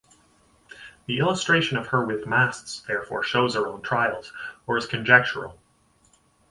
The illustration of her with masts therefore shows her on trials, or is conjectural.